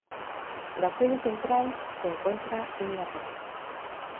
La sede central se encuentra en Nápoles.